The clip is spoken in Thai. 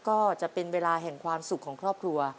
ก็จะเป็นเวลาแห่งความสุขของครอบครัว